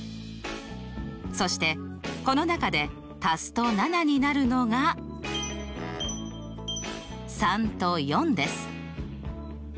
そしてこの中で足すと７になるのが３と４です。